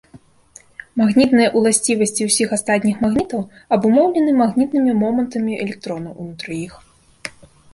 Магнітныя ўласцівасці ўсіх астатніх магнітаў абумоўлены магнітнымі момантамі электронаў унутры іх.